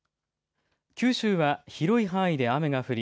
九州は広い範囲で雨が降り